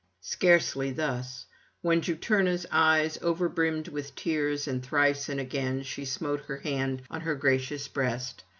Scarcely thus: when Juturna's eyes overbrimmed with tears, and thrice and again she smote her hand on her gracious breast.